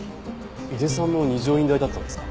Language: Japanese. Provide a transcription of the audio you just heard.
井手さんも二条院大だったんですか？